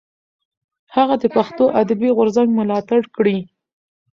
هغه د پښتو ادبي غورځنګ ملاتړ کړی.